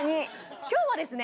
今日はですね